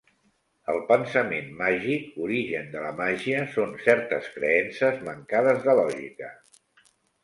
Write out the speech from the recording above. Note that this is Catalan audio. El pensament màgic, origen de la màgia, són certes creences mancades de lògica.